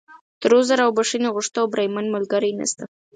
تر عذر او بښنې غوښتو، بریمن ملګری نشته.